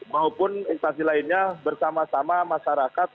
maupun instansi lainnya bersama sama masyarakat